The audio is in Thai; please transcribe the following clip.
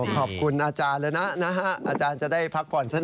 ขอบคุณอาจารย์นะฮะอาจารย์จะได้พักผ่อนสักหน่อย